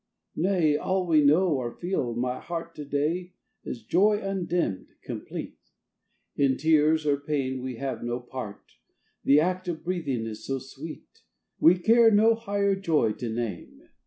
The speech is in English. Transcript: Nay! all we know, or feel, my heart, To day is joy undimmed, complete; In tears or pain we have no part; The act of breathing is so sweet, We care no higher joy to name.